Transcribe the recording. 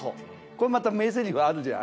これまた名台詞あるじゃん。